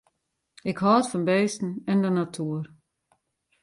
Ik hâld fan bisten en de natuer.